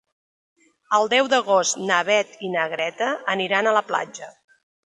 El deu d'agost na Beth i na Greta aniran a la platja.